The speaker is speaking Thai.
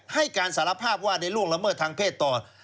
ให้การสารภาพว่าได้ล่วงละเมิดทางเพศต่อ